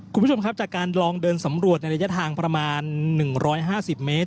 คุณผู้ชมครับจากการลองเดินสำรวจในระยะทางประมาณ๑๕๐เมตร